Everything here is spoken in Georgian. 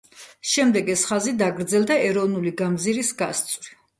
შემდეგ ეს ხაზი დაგრძელდა ეროვნული გამზირის გასწვრივ.